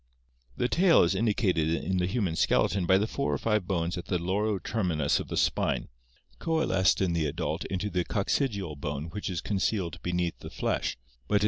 The tail is indicated in the human skeleton by the four or five bones at the lower terminus of the spine, coalesced in the adult into the coccigeal bone which is concealed beneath the flesh; but in ORGANIC EVOLUTION Fig.